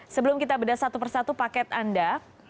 sebelum kita bedah satu persatu paket anda